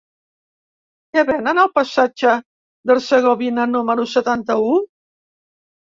Què venen al passatge d'Hercegovina número setanta-u?